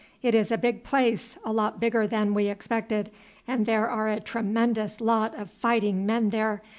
It is a big place, a lot bigger than we expected, and there are a tremendous lot of fighting men there.